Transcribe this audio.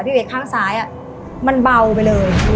ที่อยู่ในข้างซ้ายมันเบาไปเลย